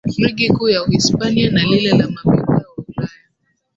Ligi kuu ya Uhispania na lile la mabingwa wa Ulaya